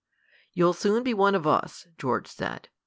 "You'll soon be one of us," George said.